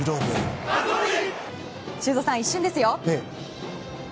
修造さん、一瞬ですよ。